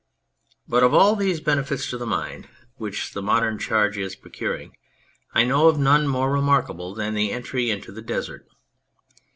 But of all these benefits to the mind which the 160 On Communications modern charge is procuring, I know of none more remarkable than the entry into the Desert.